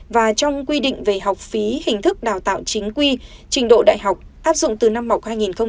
và trong quy định về học phí hình thức đào tạo chính quy trình độ đại học áp dụng từ năm học hai nghìn hai mươi hai nghìn hai mươi một